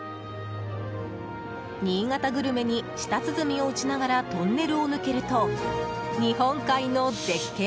新潟グルメに舌鼓を打ちながらトンネルを抜けると日本海の絶景